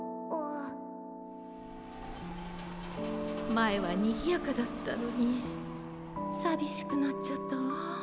まえはにぎやかだったのにさびしくなっちゃったわ。